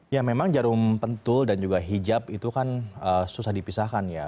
ya memang jarum pentul dan juga hijab itu kan susah dipisahkan ya